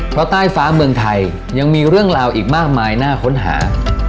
เพราะใต้ฟ้าเมืองไทยยังมีเรื่องราวอีกมากมายน่าค้นหา